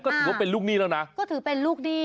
ก็ถือว่าเป็นลูกหนี้แล้วนะก็ถือเป็นลูกหนี้